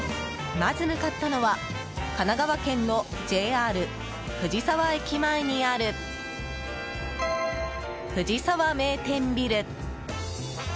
まず向かったのは神奈川県のＪＲ藤沢駅前にあるフジサワ名店ビル。